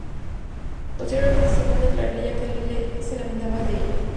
Posteriormente Simon declararía que se lamentaba de ello.